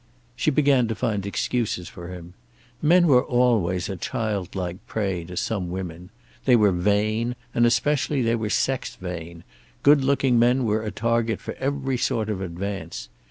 She began to find excuses for him. Men were always a child like prey to some women. They were vain, and especially they were sex vain; good looking men were a target for every sort of advance.